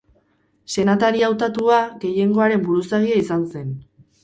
Senatari hautatua, gehiengoaren buruzagia izan zen.